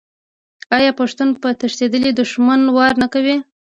آیا پښتون په تښتیدلي دښمن وار نه کوي؟